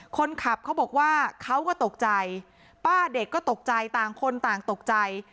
คนขับเขาบอกว่าเขาก็ตกใจป้าเด็กก็ตกใจต่างคนต่างตกใจ